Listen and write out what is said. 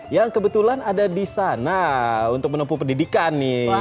yang kebetulan ada di sana untuk menempuh pendidikan nih